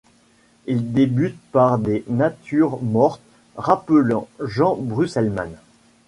Il débute par des natures mortes rappelant Jean Brusselmans.